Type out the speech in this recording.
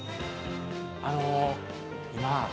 あの今。